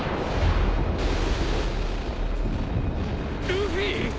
ルフィ！？